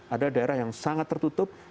ada daerah yang sangat tertutup